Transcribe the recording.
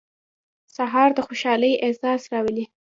سهار د خوشحالۍ احساس راولي.